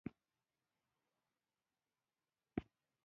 په باميان کې د ښځو لپاره د زده کړې فرصتونه زيات شوي دي.